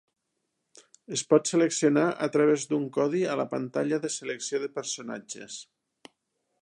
Es pot seleccionar a través d'un codi a la pantalla de selecció de personatges.